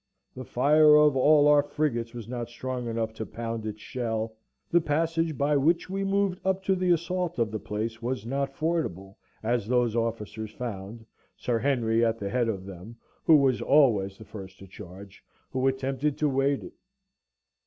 The fire of all our frigates was not strong enough to pound its shell; the passage by which we moved up to the assault of the place was not fordable, as those officers found Sir Henry at the head of them, who was always the first to charge who attempted to wade it.